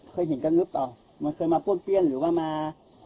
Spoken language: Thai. เคยเห็นกันนึกต่อมันเคยมาปวดเปลี่ยนหรือว่ามา